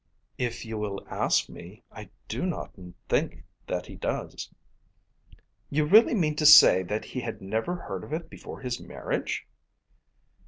"If you will ask me, I do not think that he does." "You really mean to say that he had never heard of it before his marriage?"